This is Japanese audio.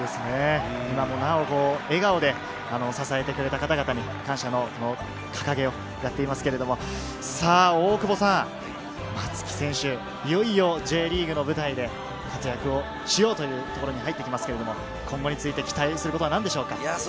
今もなお笑顔で支えてくれた方々に感謝のかかげをやっていますが、松木選手、いよいよＪリーグの舞台で活躍をしようというところに入ってきますが、今後について期待することは何でしょうか？